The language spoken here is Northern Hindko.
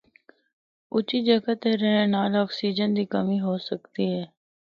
اُچھی جگہ تے رہنڑا نال آکسیجن دی کمی ہو سکدی ہے۔